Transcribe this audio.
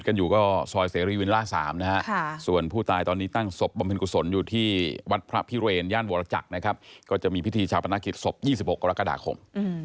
ก็เลยเกิดให้การไม่คิดเกิดขึ้น